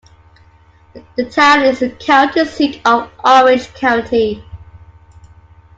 The town is the county seat of Orange County.